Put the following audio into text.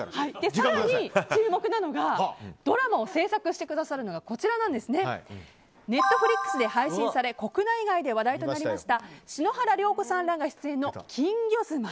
更に、注目なのがドラマを制作してくださるのがＮｅｔｆｌｉｘで配信され国内外で話題となりました篠原涼子さんらが出演の「金魚妻」。